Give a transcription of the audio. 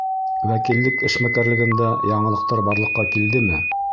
— Вәкиллек эшмәкәрлегендә яңылыҡтар барлыҡҡа килдеме?